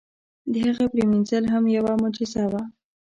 د هغې پرېمنځل هم یوه معجزه وه.